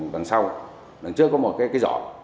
đằng sau đằng trước có một cái giỏ